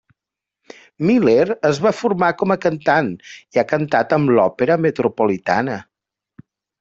Miller es va formar com a cantant, i ha cantat amb l'Opera Metropolitana.